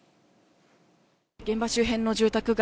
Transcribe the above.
現場周辺の住宅街。